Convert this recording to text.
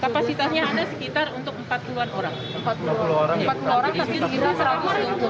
kapasitasnya ada sekitar untuk empat puluh an orang